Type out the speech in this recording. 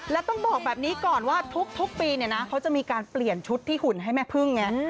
แล้วต้องบอกแบบนี้ก่อนว่าทุกปีเนี่ยนะเขาจะมีการเปลี่ยนชุดที่หุ่นให้แม่พึ่งไง